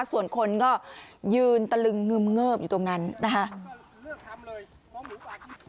ส่วนคนก็ยืนตระลึงเงิบอยู่ตรงนั้นนะครับ